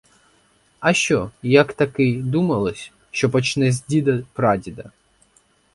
А що, як такий, думалось, що почне з діда-прадіда?